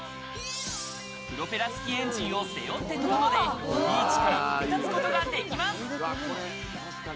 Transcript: プロペラつきエンジンを背負って飛ぶことで、ビーチから飛び立つことができます。